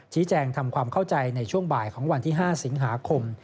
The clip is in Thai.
แจงทำความเข้าใจในช่วงบ่ายของวันที่๕สิงหาคม